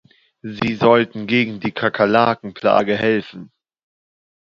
Sie sollten gegen die Kakerlaken-Plage helfen.